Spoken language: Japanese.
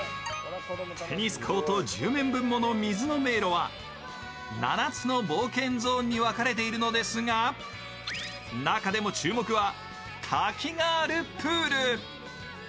テニスコート１０面分物水の迷路は７つの冒険ゾーンに分かれているのですが、中でも注目は滝があるプール。